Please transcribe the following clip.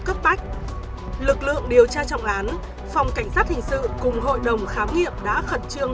cấp bách lực lượng điều tra trọng án phòng cảnh sát hình sự cùng hội đồng khám nghiệm đã khẩn trương